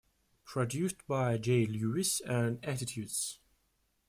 Produced by Jay Lewis and Attitudes.